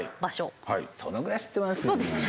そのぐらい知ってますよ。